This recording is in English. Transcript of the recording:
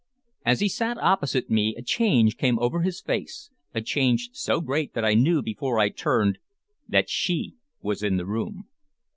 As he sat opposite me a change came over his face, a change so great that I knew before I turned that she was in the room.